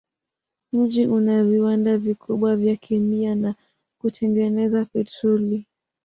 Mji una viwanda vikubwa vya kemia na kutengeneza petroli.